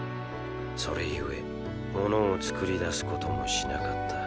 それゆえ物を作り出すこともしなかった。